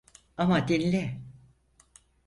Ama dinle.